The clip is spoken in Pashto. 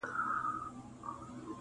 مړیدو به نه یو بل ته پۀ کتلو